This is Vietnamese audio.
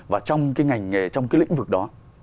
và trong cái ngành nghề trong cái lĩnh vực đó